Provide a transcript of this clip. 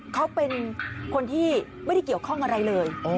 เขาเป็นคนที่ไม่ได้เกี่ยวข้องอะไรเลย